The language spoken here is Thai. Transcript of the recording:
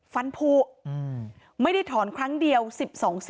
ฟันผูไม่ได้ถอนครั้งเดียว๑๒เส้น